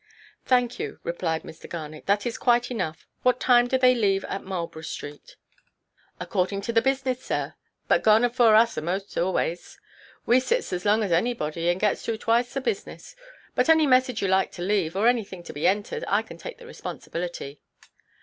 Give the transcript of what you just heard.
"Thank you," replied Mr. Garnet; "that is quite enough. What time do they leave at Marlborough Street?" "According to the business, sir, but gone afore us aʼmost always. We sits as long as anybody, and gets through twice the business. But any message you like to leave, or anything to be entered, I can take the responsibility."